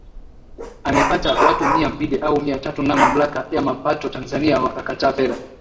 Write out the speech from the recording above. amepata watu mia mbili au mia tatu na mamlaka ya mapato Tanzania wakakata fedha